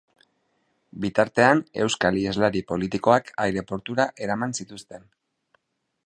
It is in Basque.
Bitartean euskal iheslari politikoak aireportura eraman zituzten.